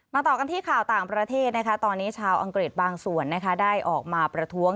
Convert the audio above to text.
ต่อกันที่ข่าวต่างประเทศนะคะตอนนี้ชาวอังกฤษบางส่วนได้ออกมาประท้วง